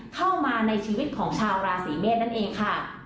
เข้ามาในชีวิตของชาวราศีเมษนั่นเองค่ะ